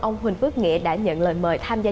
ông huỳnh phước nghĩa đã nhận lời mời tham gia